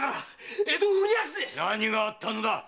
何があったのだ？